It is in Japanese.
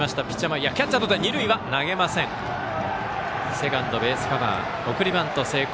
セカンド、ベースカバー送りバント成功。